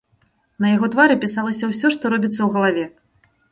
На яго твары пісалася ўсё, што робіцца ў галаве.